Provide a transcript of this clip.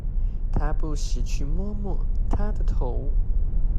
他不時去摸摸她的頭